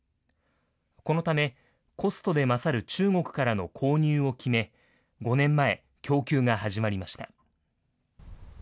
このため、コストで勝る中国からの購入を決め、５年前、供給が始まりました。